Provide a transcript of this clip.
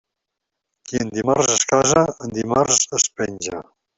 Qui en dimarts es casa, en dimarts es penja.